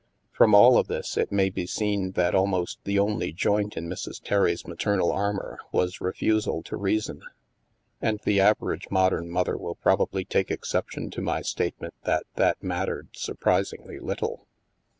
From all of this, it may be seen that almost the only joint in Mrs. Terry's maternal armor was re fusal to reason. And the average modern mother will probably take exception to my statement that that mattered surprisingly little.